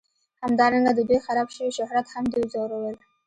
همدارنګه د دوی خراب شوي شهرت هم دوی ځورول